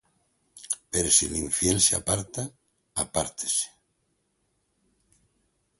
Pero si el infiel se aparta, apártese: